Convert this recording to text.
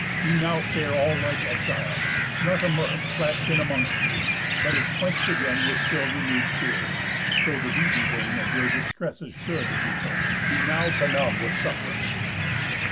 Ye now fare all like exiles; not a mirth, Flash'd in amongst ye, but is quench'd again With still renew'd tears, though the beaten vein Of your distresses should, me think, be now Benumb with suff'rance.